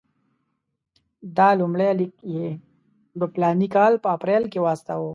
دا لومړی لیک یې د فلاني کال په اپرېل کې واستاوه.